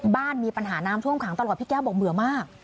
บ้านมีปัญหาน้ำท่วมขังตลอดพี่แก้วบอกเบื่อมาก